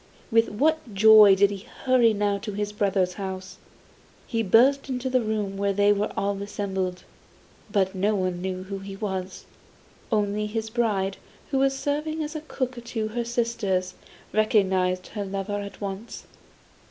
With what joy did he hurry now to his brothers' house! He burst into a room where they were all assembled, but no one knew who he was. Only his bride, who was serving as cook to her sisters, recognised her lover at once.